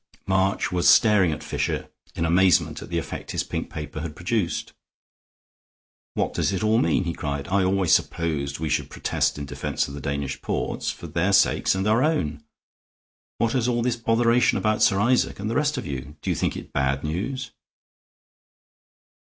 March was staring at Fisher, in amazement at the effect his pink paper had produced. "What does it all mean?" he cried. "I always supposed we should protest in defense of the Danish ports, for their sakes and our own. What is all this botheration about Sir Isaac and the rest of you? Do you think it bad news?"